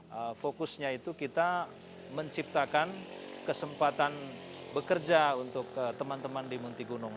nah fokusnya itu kita menciptakan kesempatan bekerja untuk teman teman di munti gunung